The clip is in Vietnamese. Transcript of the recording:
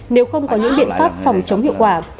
nếu không có những biện pháp phòng chống hiệu quả